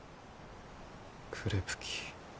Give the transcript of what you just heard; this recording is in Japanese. クレプキ。